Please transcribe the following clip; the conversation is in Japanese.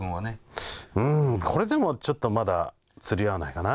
うんこれでもちょっとまだ釣り合わないかな。